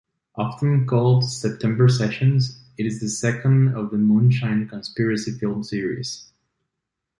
Often called September Sessions, it is the second of The Moonshine Conspiracy film series.